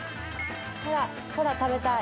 ほらほら食べたい。